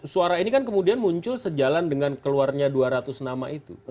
suara ini kan kemudian muncul sejalan dengan keluarnya dua ratus nama itu